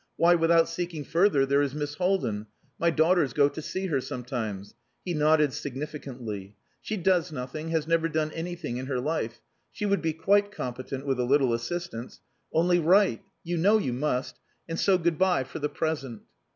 Why, without seeking further, there is Miss Haldin. My daughters go to see her sometimes." He nodded significantly. "She does nothing, has never done anything in her life. She would be quite competent, with a little assistance. Only write. You know you must. And so good bye for the present."